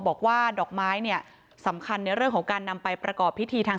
บอกว่าดอกไม้เนี่ยสำคัญในเรื่องของการนำไปประกอบพิธีทาง